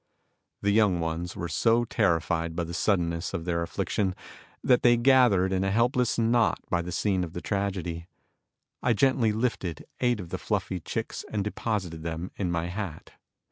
The young ones were so terrified by the suddenness of their affliction that they gathered in a helpless knot by the scene of the tragedy. I gently lifted eight of the fluffy chicks and deposited them in my hat.